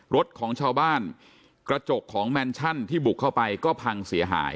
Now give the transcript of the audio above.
รถของชาวบ้านกระจกของแมนชั่นที่บุกเข้าไปก็พังเสียหาย